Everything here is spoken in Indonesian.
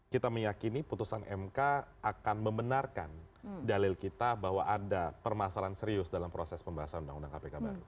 kita meyakini putusan mk akan membenarkan dalil kita bahwa ada permasalahan serius dalam proses pembahasan undang undang kpk baru